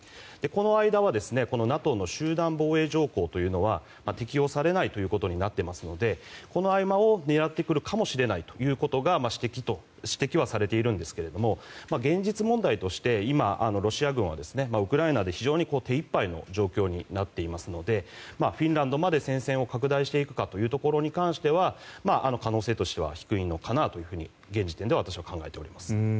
この間はＮＡＴＯの集団防衛条項というのは適用されないということになっていますのでこの合間を狙ってくるかもしれないということが指摘はされているんですけれども現実問題として、今、ロシア軍はウクライナで非常に手いっぱいの状況になっていますのでフィンランドまで戦線を拡大していくかに関しては可能性としては低いのかなと現時点では私は考えております。